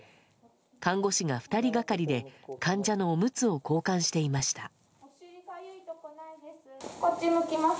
看護師が２人がかりで患者のおむつを交換していました。